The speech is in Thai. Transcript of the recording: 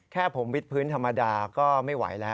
แค่ผมวิดพื้นธรรมดาก็ไม่ไหวแล้ว